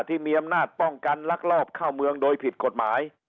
ที่มีอำนาจป้องกันลักลอบเข้าเมืองโดยผิดกฎหมาย